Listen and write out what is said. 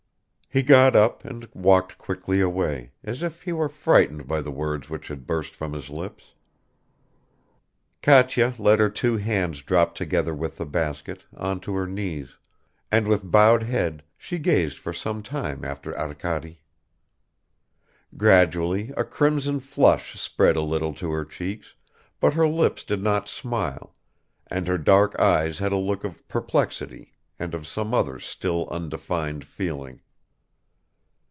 He got up and walked quickly away, as if he were frightened by the words which had burst from his lips. Katya let her two hands drop together with the basket, on to her knees, and with bowed head she gazed for some time after Arkady. Gradually a crimson flush spread a little to her cheeks, but her lips did not smile, and her dark eyes had a look of perplexity and of some other still undefined feeling.